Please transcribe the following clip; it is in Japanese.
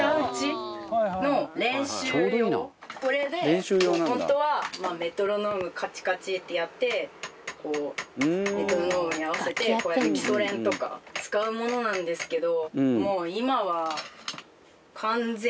これで本当はメトロノームカチカチってやってこうメトロノームに合わせてこうやって基礎練とか使うものなんですけどもう今は。